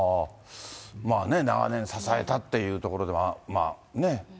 まあね、長年支えたというところではね。